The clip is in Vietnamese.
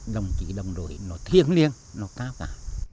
đồng chí đồng đội nó thiêng liêng nó cao cả